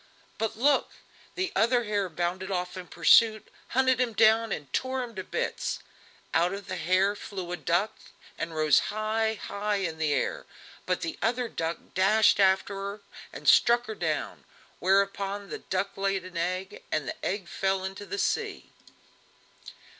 But look! the other hare bounded off in pursuit, hunted him down and tore him to bits; out of the hare flew a duck and rose high, high in the air, but the other duck dashed after her, and struck her down, whereupon the duck laid an egg, and the egg fell into the sea.